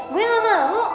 gue gak mau